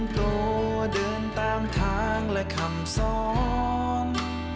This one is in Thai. โหเดินตามทางและคำซ้อน